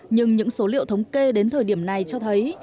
nhưng những số liệu thống kê đến thời điểm này cho thấy